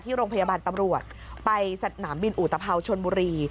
โรงพยาบาลตำรวจไปสนามบินอุตภาวชนบุรี